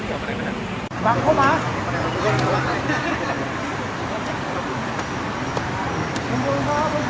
ก็คือ๕๐๐๐บาทนะครับ